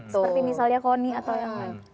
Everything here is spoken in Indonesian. seperti misalnya koni atau yang lain